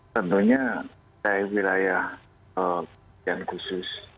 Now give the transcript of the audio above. tentunya saya wilayah yang khusus